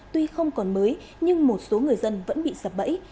tuy không còn mới nhưng một số người dân vẫn bị sập bẫy